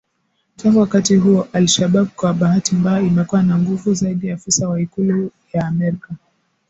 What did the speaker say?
Tangu wakati huo al Shabab kwa bahati mbaya imekuwa na nguvu zaidi afisa wa IKULU ya Amerka